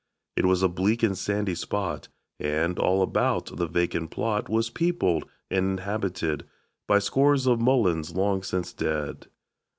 It was a bleak and sandy spot, And, all about, the vacant plot Was peopled and inhabited By scores of mulleins long since dead.